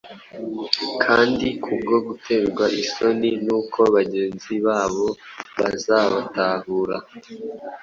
kandi kubwo guterwa isoni n’uko bagenzi babo bazabatahura,